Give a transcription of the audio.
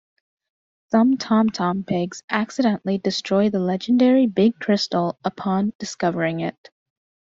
Some Tom Tom pigs accidentally destroy the legendary Big Crystal upon discovering it.